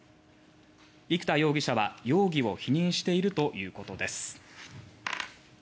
生田容疑者は逮捕後の調べに容疑を否認しているということです。